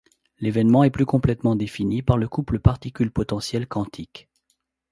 L'événement est plus complètement défini par le couple particule-potentiel quantique.